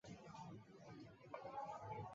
巴比伦王拿波尼度曾与儿子伯沙撒共同摄政。